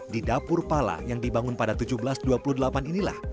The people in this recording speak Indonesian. di dapur pala yang dibangun pada seribu tujuh ratus dua puluh delapan inilah